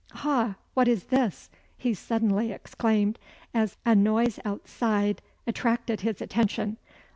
Ha! what is this?" he suddenly exclaimed, as a noise outside attracted his attention.